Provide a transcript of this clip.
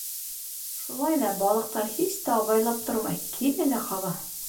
Шулай ҙа балыҡтар һис тә абайлап тормай килә лә ҡаба.